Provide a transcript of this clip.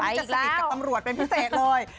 ไปอีกแล้วช่วงนี้จะสนิทกับตำรวจเป็นพิเศษเลย